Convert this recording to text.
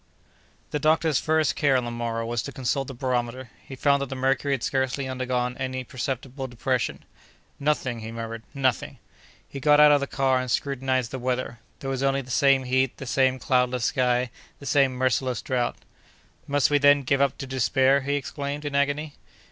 The doctor's first care, on the morrow, was to consult the barometer. He found that the mercury had scarcely undergone any perceptible depression. "Nothing!" he murmured, "nothing!" He got out of the car and scrutinized the weather; there was only the same heat, the same cloudless sky, the same merciless drought. "Must we, then, give up to despair?" he exclaimed, in agony.